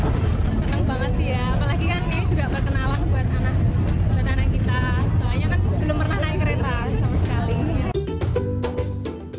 senang banget sih ya apalagi kan ini juga perkenalan buat anak anak kita soalnya kan belum pernah naik kereta sama sekali